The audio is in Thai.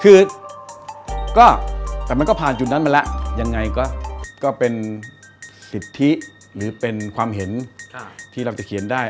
คือก็แต่มันก็ผ่านจุดนั้นมาแล้วยังไงก็เป็นสิทธิหรือเป็นความเห็นที่เราจะเขียนได้